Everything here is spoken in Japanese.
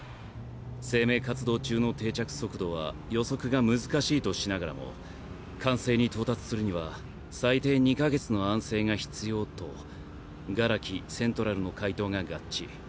生命活動中の定着速度は予測が難しいとしながらも完成に到達するには「最低２か月の安静が必要」と殻木セントラルの解答が合致。